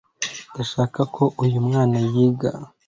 Ndashaka ko uyu mwana yiga